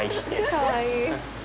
かわいい。